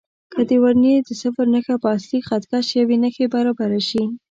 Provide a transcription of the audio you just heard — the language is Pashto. که د ورنیې د صفر نښه پر اصلي خط کش یوې نښې برابره شي.